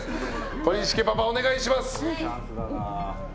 小西家パパ、お願いします！